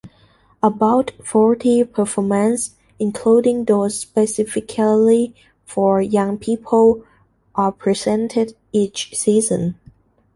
About forty performances, including those specifically for young people, are presented each season.